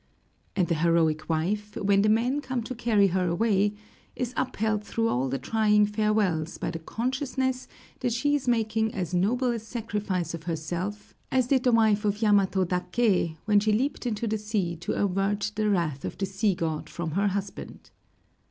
And the heroic wife, when the men come to carry her away, is upheld through all the trying farewells by the consciousness that she is making as noble a sacrifice of herself as did the wife of Yamato Daké when she leaped into the sea to avert the wrath of the sea god from her husband.